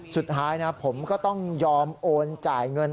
สุดท้ายนะผมก็ต้องยอมโอนจ่ายเงิน